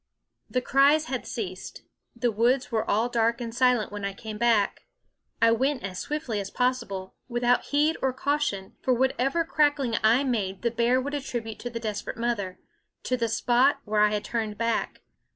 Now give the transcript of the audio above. The cries had ceased; the woods were all dark and silent when I came back. I went as swiftly as possible without heed or cau tion ; for whatever crackling I made the bear would attribute to the desperate mother to the spot where I had turned back.